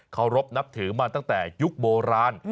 เขารบนับถือมาตั้งแต่ยุคโบราณ